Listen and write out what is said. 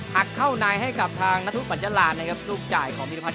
หักเข้านายให้กับทางนรธุปัญภาคจารณ์นะครับ